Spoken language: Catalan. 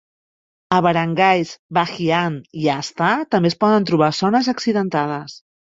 A Barangays Bahi-an i a Sta també es poden trobar zones accidentades.